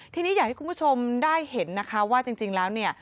ทีนี้อยากให้คุณผู้ชมได้เห็นนะคะว่าจริงแล้วเนี่ย